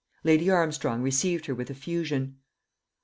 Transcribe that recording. Laura Armstrong received her with effusion.